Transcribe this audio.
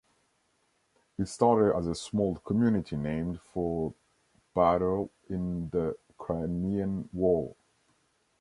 It started as a small community named for battle in the Crimean war.